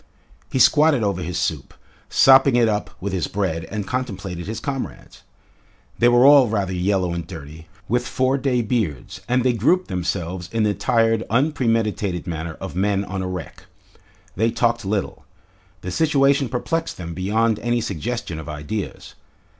He squatted over his soup, sopping it up with his bread, and contemplated his comrades. They were all rather yellow and dirty, with four day beards, and they grouped themselves in the tired, unpremeditated manner of men on a wreck. They talked little. The situation perplexed them beyond any suggestion of ideas.